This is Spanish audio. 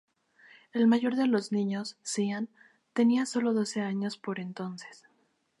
El mayor de los niños, Sean, tenía solo doce años por entonces.